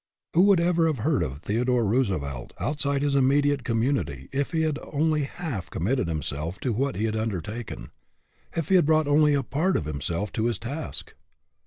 Who would ever have heard of Theodore Roosevelt outside of his immediate com munity if he had only half committed him self to what he had undertaken; if he had brought only a part of himself to his task?